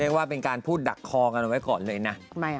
เรียกว่าเป็นการพูดดักคอกันไว้ก่อนเลยนะ